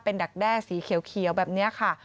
ดักแด้สีเขียวแบบนี้ค่ะ